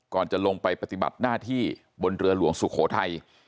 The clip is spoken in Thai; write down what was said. จะลงไปปฏิบัติหน้าที่บนเรือหลวงสุโขทัย